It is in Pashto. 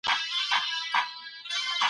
ناروېجنې الوتکي ولي هیڅکله کابل ته نه راځي؟